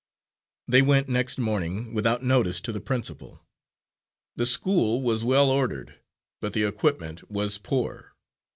They went next morning, without notice to the principal. The school was well ordered, but the equipment poor.